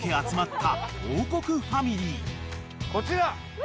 こちら。